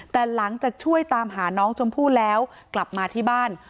แต่หลังจากช่วยตามหาน้องชมพู่แล้วกลับมาที่บ้าน